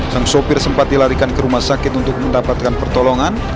sang sopir sempat dilarikan ke rumah sakit untuk mendapatkan pertolongan